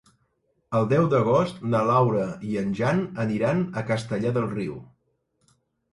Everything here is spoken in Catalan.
El deu d'agost na Laura i en Jan aniran a Castellar del Riu.